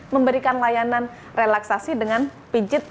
memberikan layanan relaksasi dengan pijit